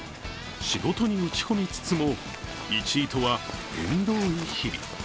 仕事に打ち込みつつも１位とは縁遠い日々。